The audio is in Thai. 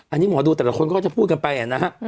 อันนี้หมอดูแต่ละคนก็จะพูดกันไปนะฮะ